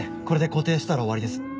これで固定したら終わりです。